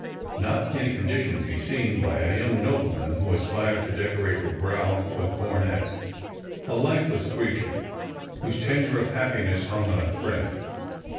Not in a con dition to be seen by a young nobleman who aspired to decorate her brow with a coronet. A lifeless creature, whose tenure of happiness hung on a thread.